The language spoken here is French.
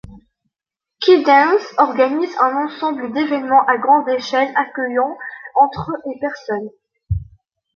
Q-dance organise un ensemble d'événements à grande échelle, accueillant entre et personnes.